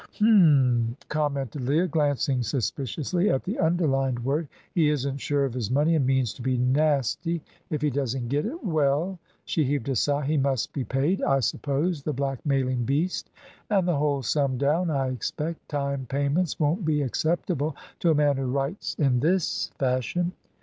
"M'm," commented Leah, glancing suspiciously at the underlined word, "he isn't sure of his money, and means to be nasty if he doesn't get it. Well" she heaved a sigh "he must be paid, I suppose, the blackmailing beast. And the whole sum down, I expect. Time payments won't be acceptable to a man who writes in this fashion."